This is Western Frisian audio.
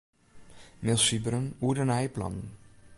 Mail Sybren oer de nije plannen.